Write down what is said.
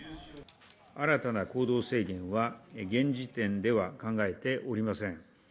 新たな行動制限は現時点では考えておりません。